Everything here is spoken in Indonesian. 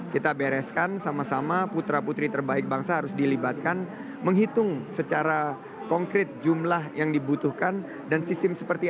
kita bereskan sama sama putra putri terbaik bangsa harus dilibatkan menghitung secara konkret jumlah yang dibutuhkan dan sistem seperti apa